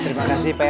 iya pak siap